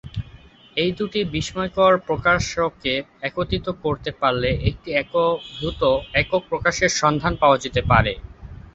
এই দুটি বিস্ময়কর প্রকাশকে একত্রিত করতে পারলে একটি একীভূত একক প্রকাশের সন্ধান পাওয়া যেতে পারে।